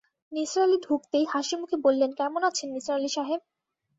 নিসার আলি ঢুকতেই হাসিমুখে বললেন, কেমন আছেন নিসার আলি সাহেব?